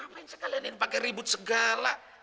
ngapain sih kalian ini pakai ribut segala